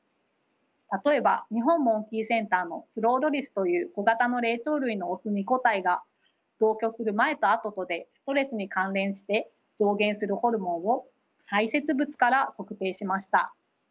たとえば日本モンキーセンターのスローロリスという小型の霊長類のオス２個体が同居する前と後とでストレスに関連して増減するホルモンを排せつ物から測定しました。